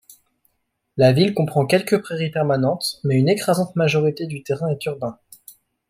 La ville comprend quelques prairies permanentes, mais une écrasante majorité du terrain est urbain.